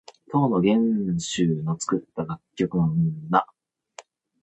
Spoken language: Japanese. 唐の玄宗の作った楽曲の名。